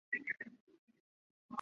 马汉三生于一个富裕农家。